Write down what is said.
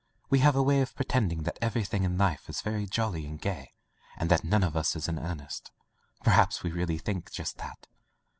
We have a way of pretending that every thing in life is very jolly and gay, and that none of us is in earnest. Perhaps we really think just that.